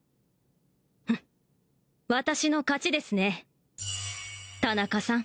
フッ私の勝ちですね田中さん